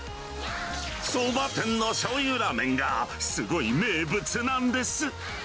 そば店のしょうゆラーメンが、すごい名物なんです。